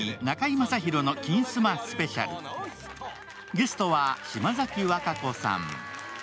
ゲストは島崎和歌子さん。